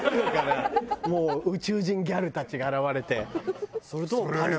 もう宇宙人ギャルたちが現れて。